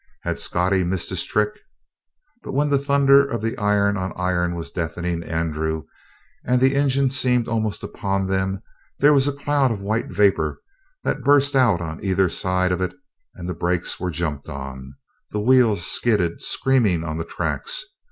Had Scottie missed his trick? But when the thunder of the iron on iron was deafening Andrew, and the engine seemed almost upon them, there was a cloud of white vapor that burst out on either side of it and the brakes were jumped on; the wheels skidded, screaming on the tracks.